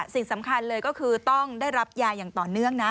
สิ่งสำคัญเลยก็คือต้องได้รับยาอย่างต่อเนื่องนะ